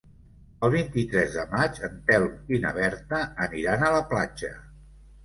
El vint-i-tres de maig en Telm i na Berta aniran a la platja.